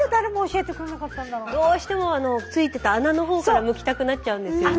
どうしてもついてた穴の方からむきたくなっちゃうんですよね。